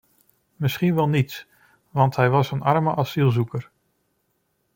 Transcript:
Misschien wel niets, want hij was een arme asielzoeker.